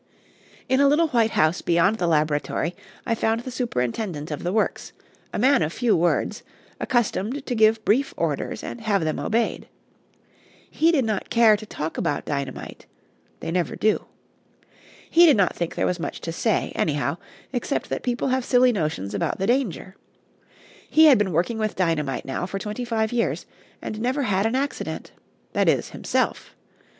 In a little white house beyond the laboratory I found the superintendent of the works, a man of few words, accustomed to give brief orders and have them obeyed. He did not care to talk about dynamite they never do. He did not think there was much to say, anyhow, except that people have silly notions about the danger. He had been working with dynamite now for twenty five years, and never had an accident that is, himself.